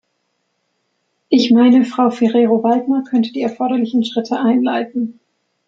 Ich meine, Frau Ferrero-Waldner könnte die erforderlichen Schritte einleiten.